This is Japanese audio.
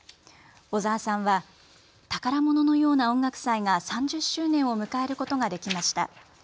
小澤さんは宝物のような音楽祭が３０周年を迎えることができました。